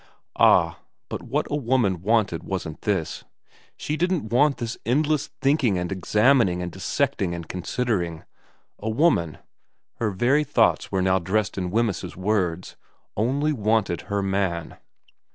Ah, but what a woman wanted wasn't this ; she didn't want this endless thinking and examining and dissecting and considering. A woman her very thoughts were now dressed in Wemyss's words only wanted her man.